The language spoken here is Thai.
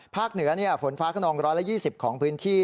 เหนือฝนฟ้าขนอง๑๒๐ของพื้นที่